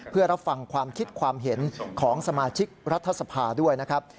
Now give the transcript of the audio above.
เพื่อรับฟังความคิดความเห็นของสมาชิกรัฐสภาด้วยนะครับ